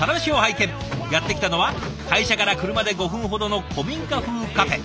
やって来たのは会社から車で５分ほどの古民家風カフェ。